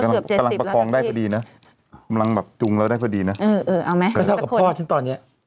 ๖๕ก็๒๔๐มากยังลองได้พอดีนะมากระบวนแล้วได้พอดีนะอ่ะอ่อไหม